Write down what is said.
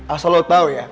asal lo tau ya